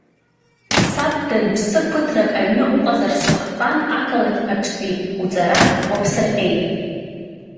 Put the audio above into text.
Саб данԥсы ԥыҭрак аҩны уҟазар сҭаххан ақалақь аҿтәи уҵара уаԥсырҟьеит.